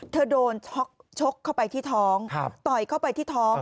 เธอโดนชกเข้าไปที่ท้องต่อยเข้าไปที่ท้อง